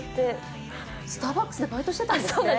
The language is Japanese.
スターバックスでバイトしてたんですって？